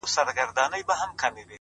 ستا د پښې پايزيب مي تخنوي گلي ـ